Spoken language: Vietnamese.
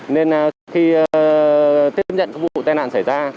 nên khi tiếp nhận vụ tên nạn xảy ra